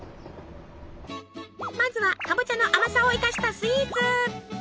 まずはかぼちゃの甘さを生かしたスイーツ。